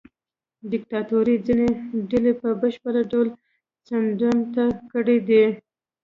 دیکتاتورۍ ځینې ډلې په بشپړ ډول څنډې ته کړې دي.